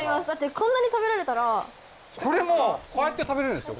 こんなに食べられたらこれもうこうやって食べられるんですよ